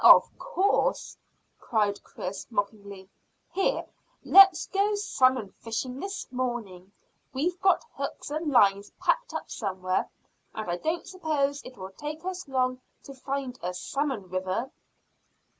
"Of course!" cried Chris mockingly. "Here, let's go salmon fishing this morning. We've got hooks and lines packed up somewhere, and I don't suppose it will take us long to find a salmon river."